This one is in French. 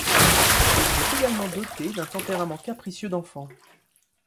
Il est également doté d’un tempérament capricieux d’enfant.